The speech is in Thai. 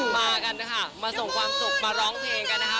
มากันนะคะมาส่งความสุขมาร้องเพลงกันนะคะ